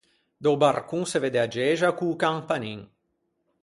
Da-o barcon se vedde a gexa co-o campanin.